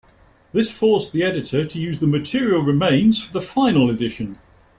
This forced the editor to use the material remains for the final edition.